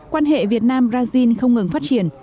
quan hệ việt nam brazil không ngừng phát triển